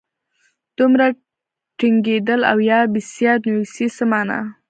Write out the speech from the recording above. دومره ټینګېدل او یا بېسیار نویسي څه مانا.